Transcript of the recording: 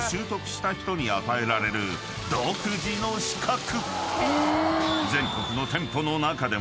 ［した人に与えられる独自の資格］